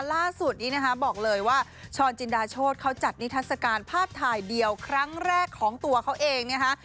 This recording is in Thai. ล่าสุดนี้นะคะบอกเลยว่าช้อนจินดาโชธเขาจัดนิทัศกาลภาพถ่ายเดียวครั้งแรกของตัวเขาเองนะคะ